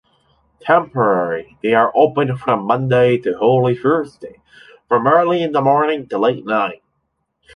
Temporary: they are open from Monday to Holy Thursday, from early in the morning to late night.